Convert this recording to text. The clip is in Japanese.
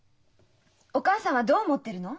お母さんはどう思ってるの？